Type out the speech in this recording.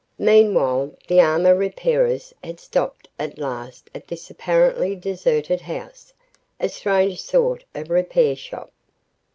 Meanwhile, the armor repairers had stopped at last at this apparently deserted house, a strange sort of repair shop.